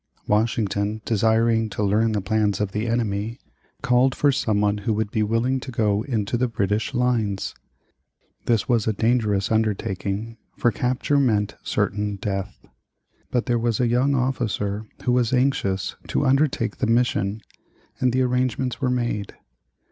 Washington desiring to learn the plans of the enemy, called for someone who would be willing to go into the British lines. This was a dangerous undertaking, for capture meant certain death. But there was a young officer who was anxious to undertake the mission, and the arrangements were made.